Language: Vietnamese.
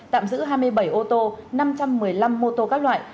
tạm giữ hai mươi bảy ô tô năm trăm một mươi năm mô tô các loại